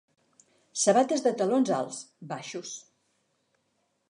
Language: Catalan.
Sabates de talons alts, baixos.